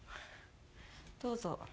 どうぞ。